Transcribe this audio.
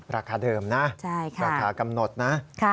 ราคาเดิมนะราคากำหนดนะ